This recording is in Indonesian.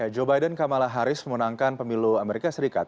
joe biden kamala harris memenangkan pemilu amerika serikat